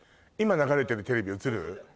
今流れてるテレビ映る？